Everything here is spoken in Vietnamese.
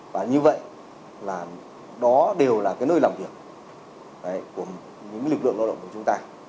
và như vậy là đó đều là cái nơi làm việc của những lực lượng lao động của chúng ta